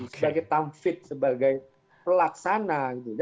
sebagai tampit sebagai pelaksana